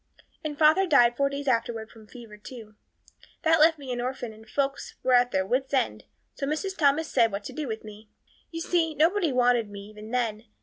And father died four days afterwards from fever too. That left me an orphan and folks were at their wits' end, so Mrs. Thomas said, what to do with me. You see, nobody wanted me even then.